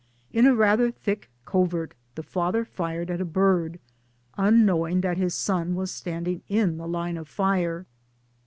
In a rather thick covert the father fired at a bird, unknowing; that his son was standing; in the line of fire.